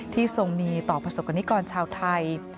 ทรงมีต่อประสบกรณิกรชาวไทย